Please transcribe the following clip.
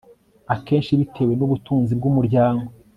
akenshi bitewe nubutunzi bwumuryango